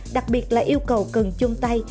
đặc biệt là yêu cầu cần chung tay